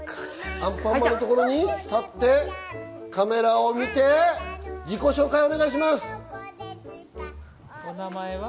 アンパンマンのところに立って、カメラを見て自己紹介をお願いします。